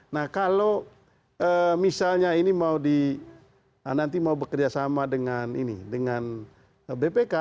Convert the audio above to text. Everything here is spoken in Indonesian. nah kalau misalnya ini mau di nanti mau bekerja sama dengan ini dengan bpk